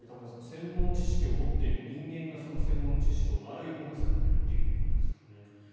専門知識を持っている人間がその専門知識を悪いほうに使っているということですからね。